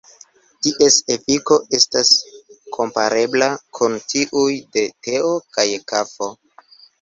Ties efiko estas komparebla kun tiuj de teo kaj kafo.